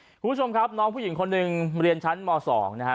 คุณผู้ชมครับน้องผู้หญิงคนหนึ่งเรียนชั้นม๒นะฮะ